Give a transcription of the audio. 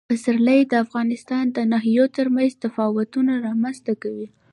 پسرلی د افغانستان د ناحیو ترمنځ تفاوتونه رامنځ ته کوي.